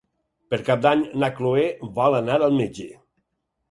Per Cap d'Any na Chloé vol anar al metge.